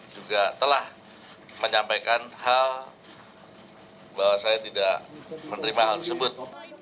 juga telah menyampaikan hal bahwa saya tidak menerima hal tersebut